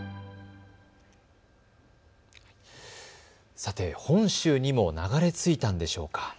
さて本州にも流れ着いたのでしょうか。